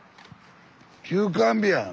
休館日や。